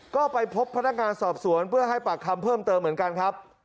ก็ไปพบพนักงานสอบสวนเพื่อให้ปากคำเพิ่มเติมเหมือนกันครับ